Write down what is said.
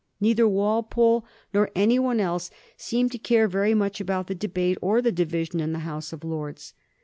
Neither Walpole nor any one else seemed to care very much about the debate or the division in the House of Lords.